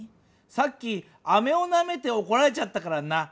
さっきあめをなめておこられちゃったからな。